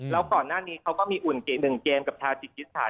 แล้วก่อนหน้านี้เขาก็มีอุ่นหนึ่งเกมกับธาตุจิตฐาน